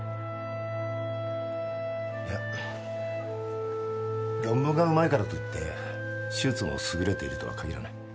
いや論文がうまいからといって手術も優れているとは限らない。